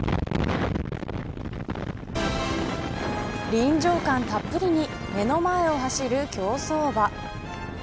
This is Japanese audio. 臨場感たっぷりに目の前を走る競走馬。